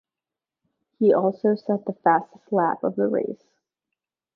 He also set the fastest lap of the race.